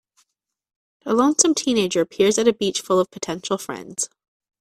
A lonesome teenager peers at a beach full of potential friends.